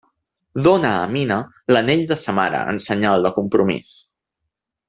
Dóna a Amina l'anell de sa mare en senyal de compromís.